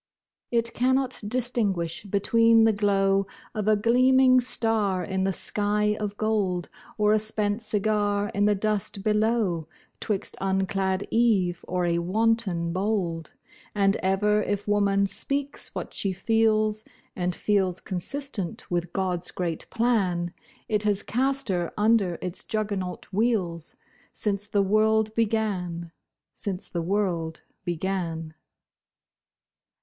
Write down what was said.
It cannot distinguish between the glow Of a gleaming star, in the sky of gold, Or a spent cigar in the dust below— 'Twixt unclad Eve or a wanton bold; And ever if woman speaks what she feels (And feels consistent with God's great plan) It has cast her under its juggernaut wheels, Since the world began—since the world began.